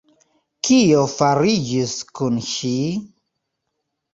Kio fariĝis kun ŝi?